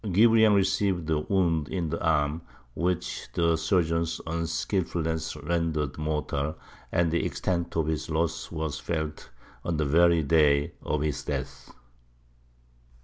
Guebriant received a wound in the arm, which the surgeon's unskilfulness rendered mortal, and the extent of his loss was felt on the very day of his death.